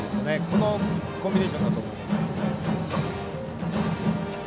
このコンビネーションだと思います。